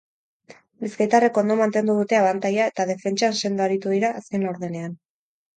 Bizkaitarrek ondo mantendu dute abantaila eta defentsan sendo aritu dira azken laurdenean.